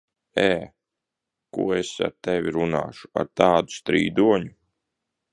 Ē! Ko es ar tevi runāšu, ar tādu strīdoņu?